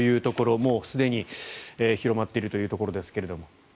もうすでに広まっているというところですけど。